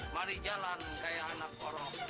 mari jalan kayak anak orang